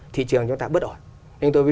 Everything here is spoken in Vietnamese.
thị trường chúng ta bất ổn nên tôi